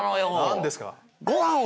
何ですか？